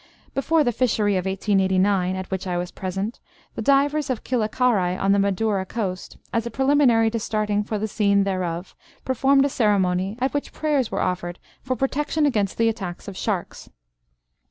Before the fishery of 1889, at which I was present, the divers of Kilakarai on the Madura coast, as a preliminary to starting for the scene thereof, performed a ceremony, at which prayers were offered for protection against the attacks of sharks.